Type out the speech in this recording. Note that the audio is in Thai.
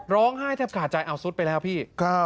ร้องไห้แทบขาดใจเอาซุดไปแล้วพี่